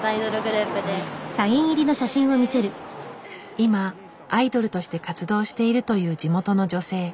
今アイドルとして活動しているという地元の女性。